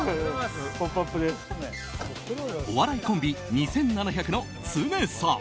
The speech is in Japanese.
お笑いコンビ２７００のツネさん。